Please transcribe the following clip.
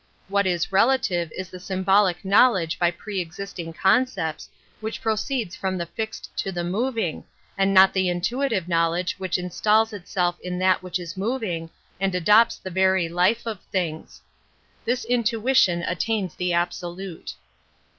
What is relative is the symbolic knowledge by pre existing concepts, which proceeds from the fixed to the moving, and not the intuitive knowledge which instaUs itself in that which is moving and adopts^ the very life of things. This intuition aA tains the absolute.